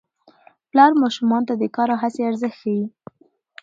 پلار ماشومانو ته د کار او هڅې ارزښت ښيي